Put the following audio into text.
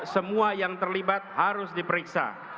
semua yang terlibat harus diperiksa